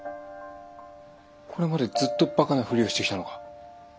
これまでずっとバカなふりをしてきたのか？